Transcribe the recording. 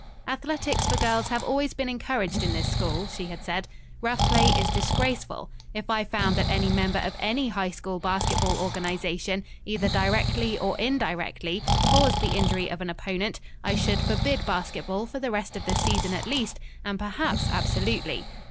"Athletics for girls have always been encouraged in this school," she had said. "Rough play is disgraceful. If I found that any member of any High School basketball organization, either directly or indirectly, caused the injury of an opponent, I should forbid basketball for the rest of the season at least, and perhaps absolutely.